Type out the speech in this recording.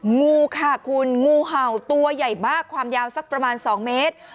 งูค่ะคุณงูเห่าตัวใหญ่มากความยาวสักประมาณ๒เมตร